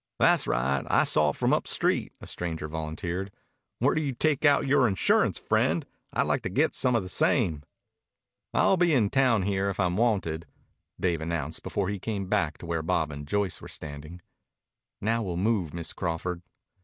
"Tha's right. I saw it from up street," a stranger volunteered. "Where do you take out yore insurance, friend? I'd like to get some of the same." "I'll be in town here if I'm wanted," Dave announced before he came back to where Bob and Joyce were standing. "Now we'll move, Miss Crawford."